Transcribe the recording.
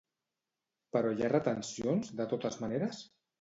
Però hi ha retencions, de totes maneres?